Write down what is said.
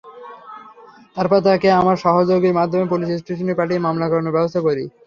তারপর তাকে আমরা সহযোগীর মাধ্যমে পুলিশ স্টেশনে পাঠিয়ে মামলা করানোর ব্যবস্থা করি।